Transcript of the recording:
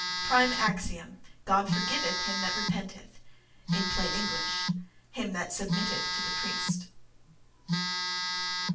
Prime axiom: "God forgiveth him that repenteth"—in plain English, him that submitteth to the priest.